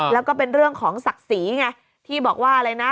แล้วก็เป็นเรื่องของศักดิ์ศรีไงที่บอกว่าอะไรนะ